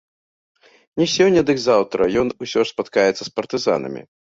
Не сёння, дык заўтра ён усё ж спаткаецца з партызанамі.